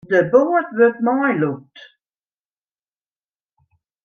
De boat wurdt meilûkt.